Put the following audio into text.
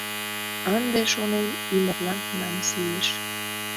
Ынде, шонем, ӱмырлан намыс лиеш.